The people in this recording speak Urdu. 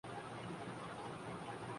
پہلے وہ اپنی روحانی ساکھ بناتا ہے۔